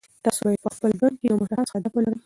تاسو باید په خپل ژوند کې یو مشخص هدف ولرئ.